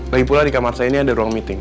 lagipula di kamar saya ini ada ruang meeting